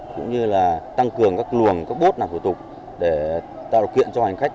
cũng như là tăng cường các luồng các bốt làm thủ tục để tạo điều kiện cho hành khách